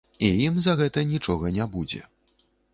І ім за гэта нічога не будзе.